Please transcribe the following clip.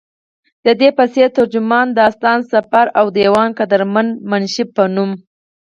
ددې پسې، ترجمان، داستان سفر او ديوان قدرمند منشي پۀ نوم